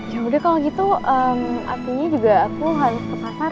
ya udah kalau gitu artinya juga aku harus ke pasar